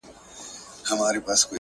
o سترگي دي ژوند نه اخلي مرگ اخلي اوس؛